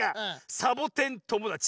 サボテンともだち。